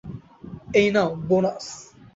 এই নাও বোনাস।